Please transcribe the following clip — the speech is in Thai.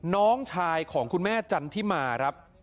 น้องชายของคุณแม่จันทิมาครับ